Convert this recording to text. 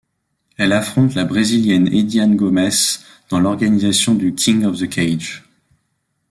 Elle affronte la Brésilienne Ediane Gomes dans l'organisation du King of the Cage.